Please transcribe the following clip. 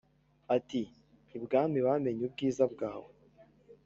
ati"ibwami bamenye ubwiza bwawe